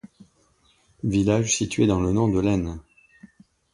Village situé dans le nord de l'Aisne.